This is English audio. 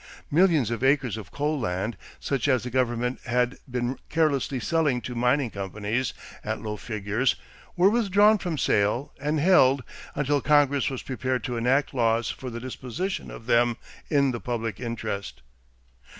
Millions of acres of coal land, such as the government had been carelessly selling to mining companies at low figures, were withdrawn from sale and held until Congress was prepared to enact laws for the disposition of them in the public interest.